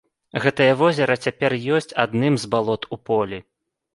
Гэтае возера цяпер ёсць адным з балот у полі.